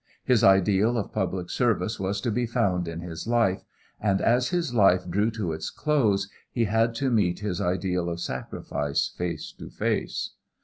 His ideal of public service was to be found in his life, and as his life drew to its close he had to meet his ideal of sacrifice face to face.